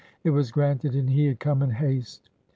It was granted and he had come in haste.